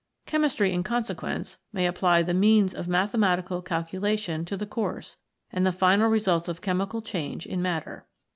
Chemistry in consequence may apply the means of mathematical calcula tion to the course, and the final results of chemical change in matter.